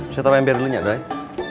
saya taro ember dulu ya guys